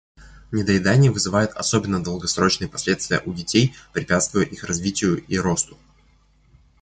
Недоедание вызывает особенно долгосрочные последствия у детей, препятствуя их развитию и росту.